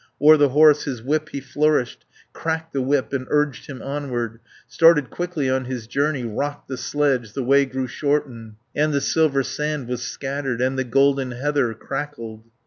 O'er the horse his whip he flourished, Cracked the whip, and urged him onward, Started quickly on his journey. Rocked the sledge, the way grew shorten And the silver sand was scattered, And the golden heather crackled.